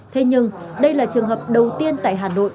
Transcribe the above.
thế nhưng đây là trường hợp đầu tiên tại hà nội